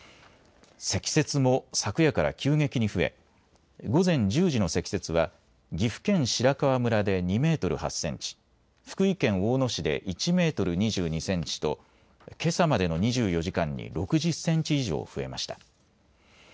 積雪も昨夜から急激に増え、午前１０時の積雪は岐阜県白川村で２メートル８センチ、福井県大野市で１メートル２２センチとけさまでの２４時間に６０センチ以上増えました。